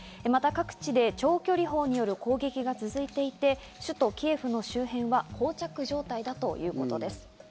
また各地で長距離砲による攻撃が続いていて、首都キエフの周辺は膠着状態だということです。